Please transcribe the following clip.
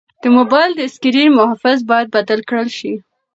د موبایل د سکرین محافظ باید بدل کړل شي.